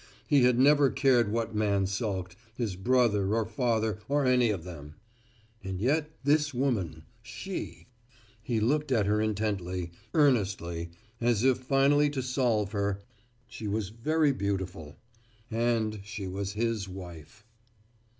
He had never cared what man sulked, his brother or father or any of them. And yet this woman, she he looked at her intently, earnestly, as if finally to solve her she was very beautiful. And she was his wife.